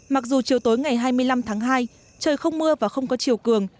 mặc dù chiều tối ngày hai mươi năm tháng hai trời không mưa và không có chiều cường